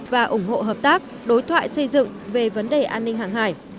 và ủng hộ hợp tác đối thoại xây dựng về vấn đề an ninh hàng hải